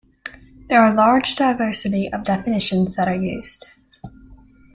There are large diversity of definitions that are used.